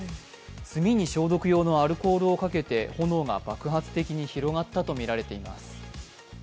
炭に消毒用のアルコールをかけて炎が爆発的に広がったとみられています。